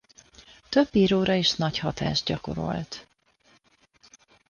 Több íróra is nagy hatást gyakorolt.